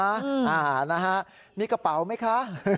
อ่านะฮะมีกระเป๋าไหมคะ